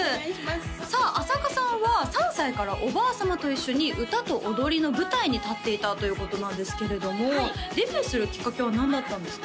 さあ朝花さんは３歳からおばあ様と一緒に歌と踊りの舞台に立っていたということなんですけれどもデビューするきっかけは何だったんですか？